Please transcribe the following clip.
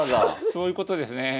そういうことですね。